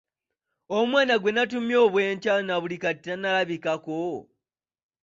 Omwana gwe natumye obw’enkya na buli kati talabikako.